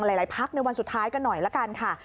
หลายพักในวันสุดท้ายกันหน่อยละกันค่ะ